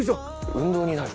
運動になる。